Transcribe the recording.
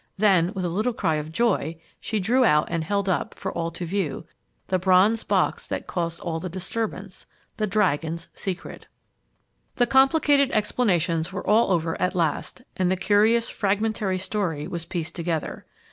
Then with a little cry of joy, she drew out and held up, for all to view, the bronze box that had caused all the disturbance the Dragon's Secret! The complicated explanations were all over at last, and the curious, fragmentary story was pieced together.